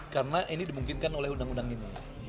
karena ini dimungkinkan oleh undang undang ini